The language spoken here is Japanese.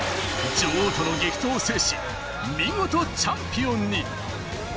女王との激闘を制し、見事チャンピオンに。